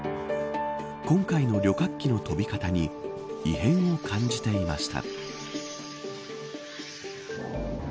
今回の旅客機の飛び方に異変を感じていました。